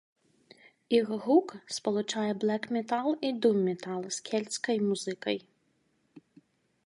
Іх гук спалучае блэк-метал і дум-метал з кельцкай музыкай.